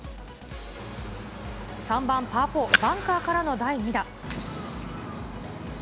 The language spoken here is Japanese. ３番パーフォー、バンカーからの第２打。